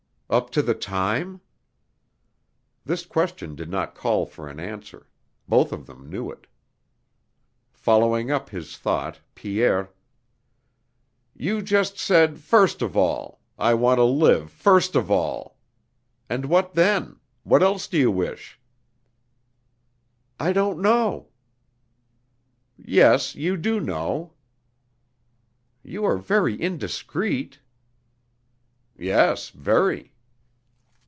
"Up to the time?" (This question did not call for an answer. Both of them knew it.) Following up his thought, Pierre: "You just said 'first of all.' ... 'I want to live, first of all.' ... And what then? What else do you wish?" "I don't know." "Yes, you do know...." "You are very indiscreet." "Yes, very."